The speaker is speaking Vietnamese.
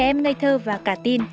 trẻ em ngây thơ và cả tin